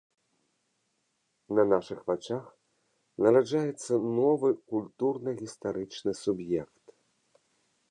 На нашых вачах нараджаецца новы культурна-гістарычны суб'ект.